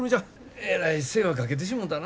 えらい世話かけてしもたな。